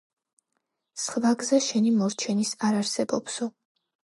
სხვა გზა შენი მორჩენის არ არსებობსო.